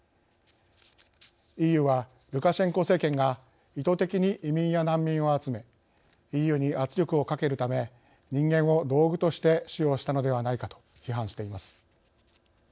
ＥＵは、ルカシェンコ政権が意図的に移民や難民を集めＥＵに圧力をかけるため人間を道具として使用したのではないかと批判しています。